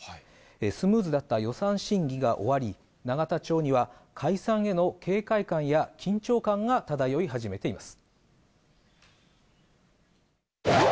スムーズだった予算審議が終わり、永田町には解散への警戒感や緊張感が漂い始めています。